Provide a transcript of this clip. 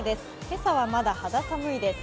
今朝はまだ肌寒いです。